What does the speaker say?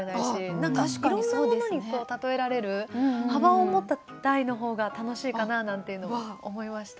何かいろんなものに例えられる幅を持った題の方が楽しいかななんていうのを思いました。